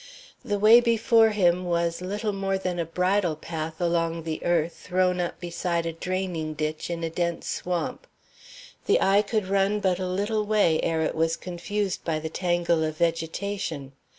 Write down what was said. The way before him was little more than a bridle path along the earth thrown up beside a draining ditch in a dense swamp. The eye could run but a little way ere it was confused by the tangle of vegetation.